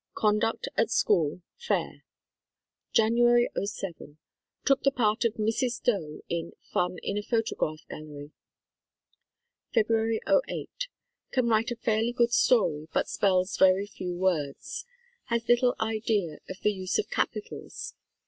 Conduct at school, fair. THE STORY OF DEBORAH 5 Jan. '07. Took the part of Mrs. Doe in "Fun in a Photograph Gallery." Feb. '08. Can write a fairly good story, but spells very few words. Has little idea of the use of capitals.